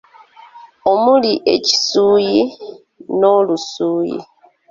Omuli ekisuuyi n'olusuuyi.